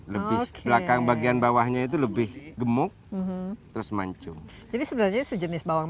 lebih belakang bagian bawahnya itu lebih gemuk terus mancung jadi sebenarnya sejenis bawang